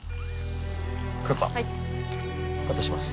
クーパーカットします